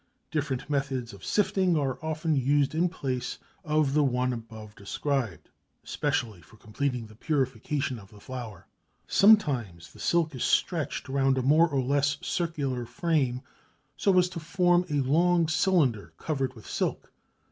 Different methods of sifting are often used in place of the one above described, especially for completing the purification of the flour. Sometimes the silk is stretched round a more or less circular frame so as to form a long cylinder covered with silk.